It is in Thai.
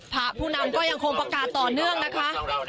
ผู้นำก็ยังคงประกาศต่อเนื่องนะคะ